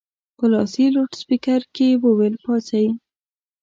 په لاسي لوډسپیکر کې یې وویل پاڅئ.